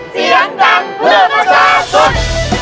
เสียงดังเพื่อภาษาสุด